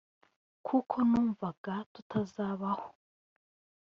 kuko numvanga tutazabaho